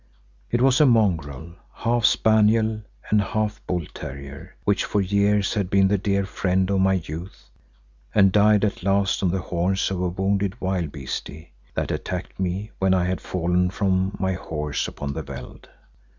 It was a mongrel, half spaniel and half bull terrier, which for years had been the dear friend of my youth and died at last on the horns of a wounded wildebeeste that attacked me when I had fallen from my horse upon the veld.